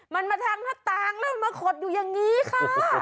มันมาทางหน้าต่างแล้วมาขดอยู่อย่างนี้ค่ะ